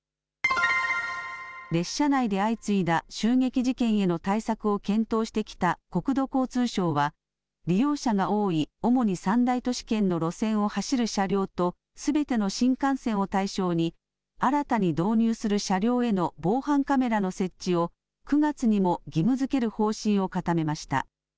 列車内で相次いだ襲撃事件への対策を検討してきた国土交通省は利用者が多い、主に３大都市圏の路線を走る車両とすべての新幹線を対象に新たに導入する車両への防犯カメラの設置を９月にも義務づける方針を固めました。